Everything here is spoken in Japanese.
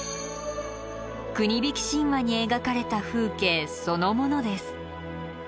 国引き神話に描かれた風景そのものです